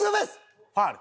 ファウル。